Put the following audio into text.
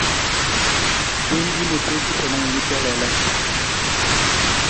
chun kimutwech kipsomoninik chelelach